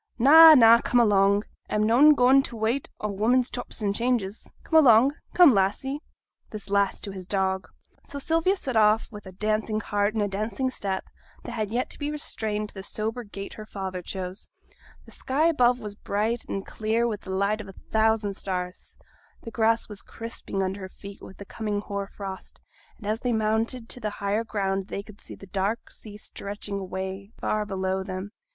'Na, na, come along! a'm noane goin' for t' wait o' women's chops and changes. Come along; come, Lassie!' (this last to his dog). So Sylvia set off with a dancing heart and a dancing step, that had to be restrained to the sober gait her father chose. The sky above was bright and clear with the light of a thousand stars, the grass was crisping under their feet with the coming hoar frost; and as they mounted to the higher ground they could see the dark sea stretching away far below them.